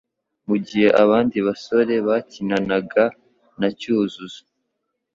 Mu gihe abandi basore bakinanaga na Cyuzuzo